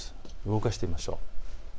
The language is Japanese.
動かしてみましょう。